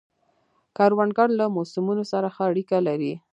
کروندګر له موسمو سره ښه اړیکه لري